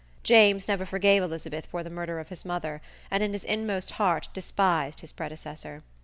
James never forgave Elizabeth for the murder of his mother, and in his inmost heart despised his predecessor.